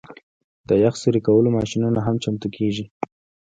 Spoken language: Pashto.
د یخ سوري کولو ماشینونه هم چمتو کیږي